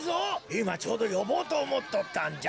いまちょうどよぼうとおもっとったんじゃ。